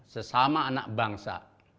sesama anak bangsa